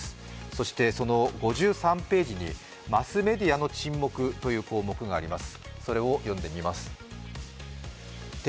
そしてその５３ページにマスメディアの沈黙という項目があります。